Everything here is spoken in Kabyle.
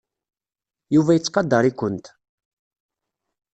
Yuba yettqadar-ikent.